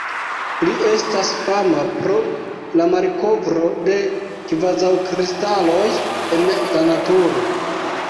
Li estas fama pro la malkovro de kvazaŭkristaloj en la naturo.